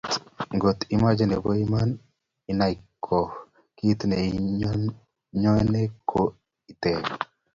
ngot imoche nebo iman inai, ko kiit neiyoe ko iteeb